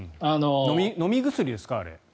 飲み薬ですか、あれは。